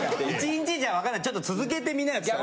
「１日じゃわかんないちょっと続けてみなよ」